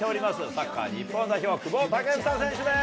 サッカー日本代表、久保建英選手です。